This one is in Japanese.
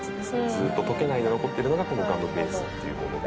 「ずっと溶けないで残ってるのがこのガムベースっていうもので」